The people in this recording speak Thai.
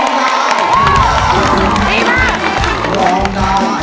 ดีมาก